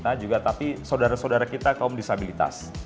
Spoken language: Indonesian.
tapi juga saudara saudara kita kaum disabilitas